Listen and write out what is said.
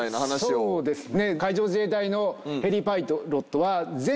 そうですね。